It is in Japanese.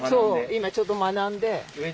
今ちょっと学んで。